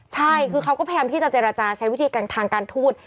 ใช่คือเขาก็พยายามที่จะเจรจาใช้วิธีการทางการทูต